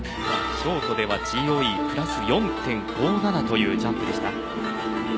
ショートではＧＯＥ、プラス４．５７というジャンプでした。